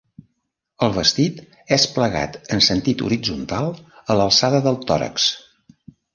El vestit és plegat en sentit horitzontal a l'alçada del tòrax.